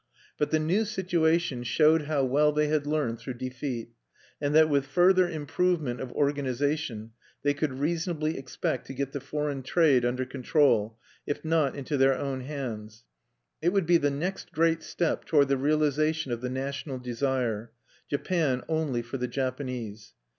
But the new situation showed how well they had learned through defeat, and that with further improvement of organization they could reasonably expect to get the foreign trade under control, if not into their own hands. It would be the next great step toward the realization of the national desire, Japan only for the Japanese.